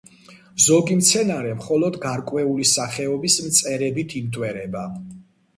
ზოგი მცენარე მხოლოდ გარკვეული სახეობის მწერებით იმტვერება.